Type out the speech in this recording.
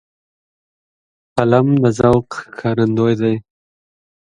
قلم د ذوق ښکارندوی دی